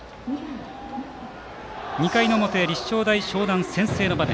２回の表、立正大淞南先制の場面。